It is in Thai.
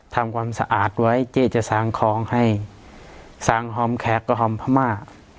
ทำความสะอาดไว้เจ๊จะสร้างของให้สั่งหอมแขกก็หอมพม่า